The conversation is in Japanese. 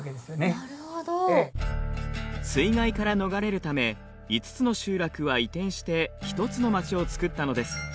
水害から逃れるため５つの集落は移転して１つの町を造ったのです。